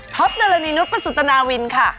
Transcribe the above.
ฆอปนินุพประสุนตนาวินครับ